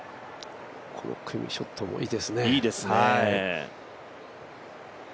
この組のショットもいいですね。